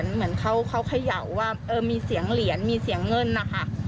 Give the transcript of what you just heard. เหมือนเขาเขย่าว่ามีเสียงเหรียญมีเสียงเงินนะคะ